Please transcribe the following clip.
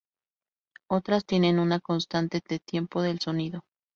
Otras tienen una constante de tiempo del sonido.